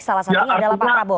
salah satunya adalah prabowo